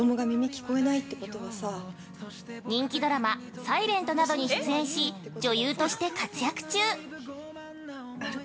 人気ドラマ「ｓｉｌｅｎｔ」などに出演し女優として活躍中。